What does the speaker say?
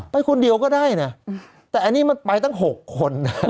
ไปคนเดียวก็ได้นะแต่อันนี้มันไปตั้ง๖คนนะ